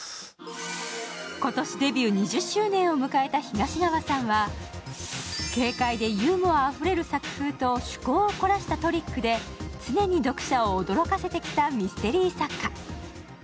今年デビュー２０周年を迎えた東川さんは軽快でユーモアあふれる作風と趣向を凝らしたトリックで常に読者を驚かせてきたミステリー作家。